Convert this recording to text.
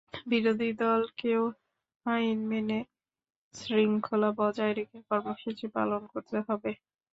বিরোধী দলকেও আইন মেনে শৃঙ্খলা বজায় রেখে কর্মসূচি পালন করতে হবে।